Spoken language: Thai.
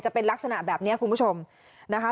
จะเป็นลักษณะแบบนี้คุณผู้ชมนะคะ